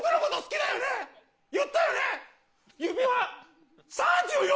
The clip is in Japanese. ⁉言ったよね